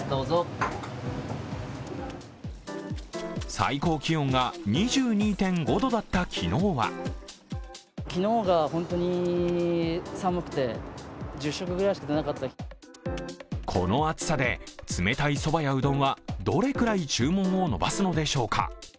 最高気温が２２．５度だった昨日はこの暑さで冷たいそばやうどんはどれくらい注文を伸ばすのでしょうか？